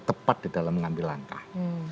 tepat di dalam mengambil langkah